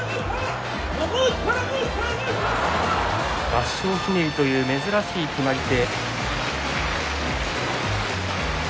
合掌ひねりという珍しい決まり手。